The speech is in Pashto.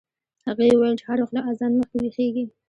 هغې وویل چې هر وخت له اذان مخکې ویښیږي.